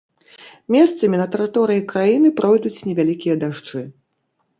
Месцамі на тэрыторыі краіны пройдуць невялікія дажджы.